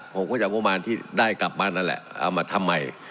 ผมก็จะเอางบประมาณที่ได้กลับมานั่นแหละเอามาทำใหม่